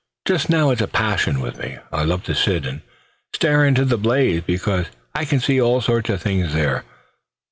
Just now it's a passion with me. I love to sit, and stare into the blaze, because I can see all sorts of things there.